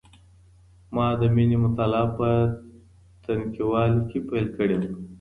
ما د مینې مطالعه په تنکیواله کي پیل کړې وه.